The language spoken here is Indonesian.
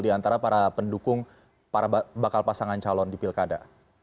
diantara para pendukung para bakal pasangan calon di pilkada